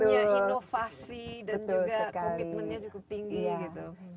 punya inovasi dan juga komitmennya cukup tinggi gitu